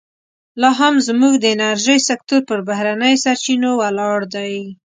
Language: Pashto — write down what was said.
لا هم زموږ د انرژۍ سکتور پر بهرنیو سرچینو ولاړ دی.